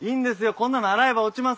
こんなの洗えば落ちますから。